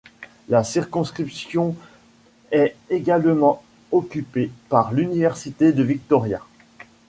La circonscription est également occupée par l'Université de Victoria.